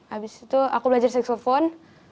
abis itu aku belajar saksepon